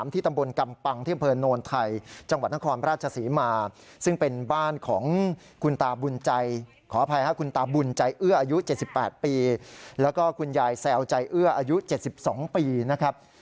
ที่ตำบลกำปังเที่ยวเผลอโนนไทยจังหวัดนครราชสีมา